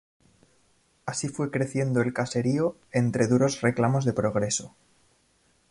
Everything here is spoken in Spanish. Así fue creciendo el caserío, entre duros reclamos de progreso.